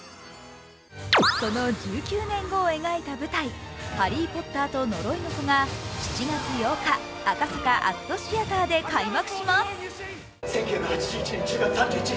その１９年後を描いた舞台「ハリー・ポッターと呪いの子」が７月８日、赤坂ＡＣＴシアターで開幕します。